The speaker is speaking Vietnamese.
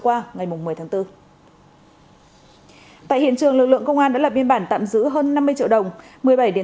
qua ngày một mươi bốn tại hiện trường lực lượng công an đã lập biên bản tạm giữ hơn năm mươi triệu đồng một mươi bảy điện